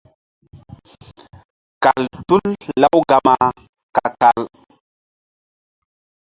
Kal tul Lawgama ka-kal.